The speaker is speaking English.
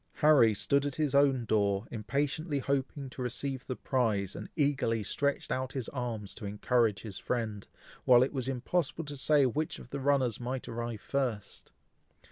Harry stood at his own door, impatiently hoping to receive the prize, and eagerly stretched out his arms to encourage his friend, while it was impossible to say which of the runners might arrive first.